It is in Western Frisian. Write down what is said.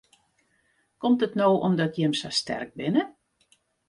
Komt it no omdat jim sa sterk binne?